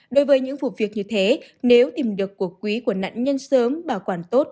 đối với những vụ việc như thế nếu tìm được cuộc quý của nạn nhân sớm bảo quản tốt